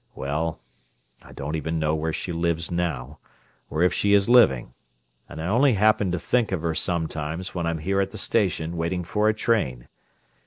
Well, I don't even know where she lives now, or if she is living—and I only happen to think of her sometimes when I'm here at the station waiting for a train.